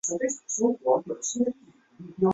本种广泛分布在台湾平地到低海拔山区。